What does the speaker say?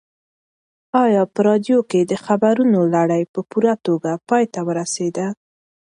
ایا په راډیو کې د خبرونو لړۍ په پوره توګه پای ته ورسېده؟